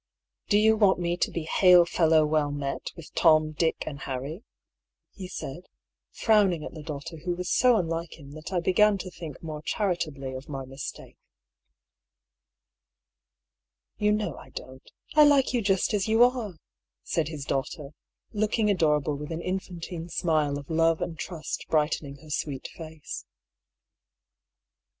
Do you want me to be hail fellow well met with Tom, Dick, and Harry?" he said, frowning at the daughter who was so unlike him that I began to think more charitably of my mistake. " You know I don't. I like you just as you are I " 34 DR. PAULL'S THEORY. said his daughter, looking adorable with an infantine smile of love and trust brightening her sweet face.